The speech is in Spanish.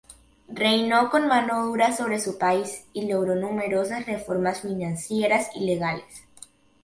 Reinó con mano dura sobre su país y logró numerosas reformas financieras y legales.